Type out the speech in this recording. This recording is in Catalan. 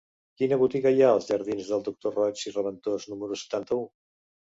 Quina botiga hi ha als jardins del Doctor Roig i Raventós número setanta-u?